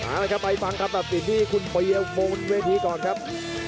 เอาละครับไปฟังคำตัดสินที่คุณปริยมูลเวทีก่อนครับ